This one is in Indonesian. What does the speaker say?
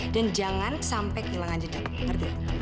dan jangan sampai kehilangan jeda ngerti ya